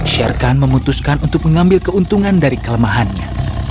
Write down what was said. shere khan memutuskan untuk mengambil keuntungan dari kelemahannya